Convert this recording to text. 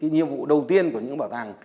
nhiệm vụ đầu tiên của những bảo tàng